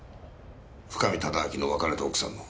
深見忠明の別れた奥さんの。